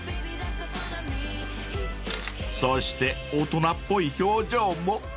［そして大人っぽい表情も］